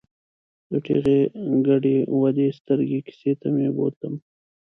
د ټېغې ګډې ودې سترګې کیسې ته مې بوتلم.